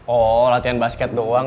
oh latihan basket doang